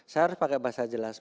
saya harus pakai bahasa jelas